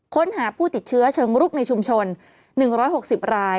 ค้นหาผู้ติดเชื้อเชิงรุกในชุมชน๑๖๐ราย